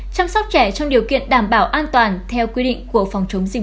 chăm sóc trẻ trong điều kiện đảm bảo an toàn theo quy định của phòng chống dịch